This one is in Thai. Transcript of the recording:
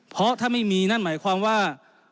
เพราะถ้าไม่มีนั่นหมายความว่า